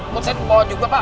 mau saya dibawa juga pak